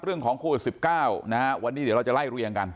เรื่องของโควิด๑๙นะฮะวันนี้เดี๋ยวเราจะไล่เรียงกัน